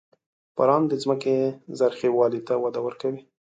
• باران د ځمکې زرخېوالي ته وده ورکوي.